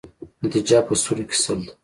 نتیجه په سلو کې سل ده.